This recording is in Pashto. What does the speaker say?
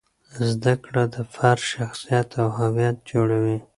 زده کړه د فرد شخصیت او هویت جوړوي.